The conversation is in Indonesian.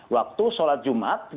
waktu sholat jumat